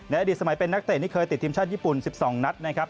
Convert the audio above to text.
อดีตสมัยเป็นนักเตะที่เคยติดทีมชาติญี่ปุ่น๑๒นัดนะครับ